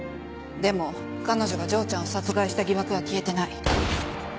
でも彼女が丈ちゃんを殺害した疑惑は消えてない。